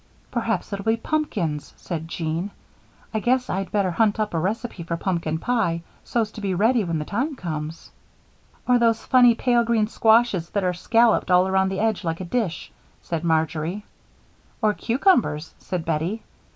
"Perhaps it'll be pumpkins," said Jean. "I guess I'd better hunt up a recipe for pumpkin pie, so's to be ready when the time comes." "Or those funny, pale green squashes that are scalloped all around the edge like a dish," said Marjory. "Or cucumbers," said Bettie.